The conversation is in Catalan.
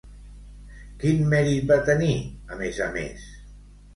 Quin mèrit va tenir, a més a més?